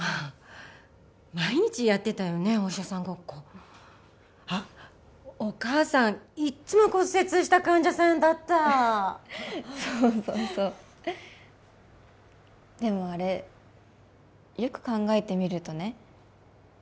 毎日やってたよねお医者さんごっこあっお母さんいっつも骨折した患者さんだったそうそうそうでもあれよく考えてみるとね